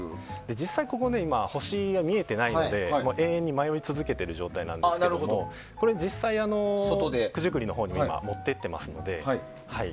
実際、ここで星が見えてないので永遠に迷い続けている状態なんですけどこれ、実際九十九里のほうに持っていっていますので。